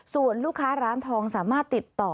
ส่วนลูกค้าร้านทองสามารถติดต่อ